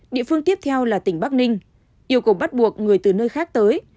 địa phương tiếp theo là tỉnh bắc ninh yêu cầu bắt buộc người từ nơi khác tới